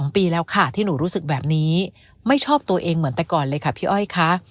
ปีแล้วค่ะที่หนูรู้สึกแบบนี้ไม่ชอบตัวเองเหมือนแต่ก่อนเลยค่ะพี่อ้อยค่ะ